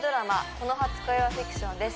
この初恋はフィクションです」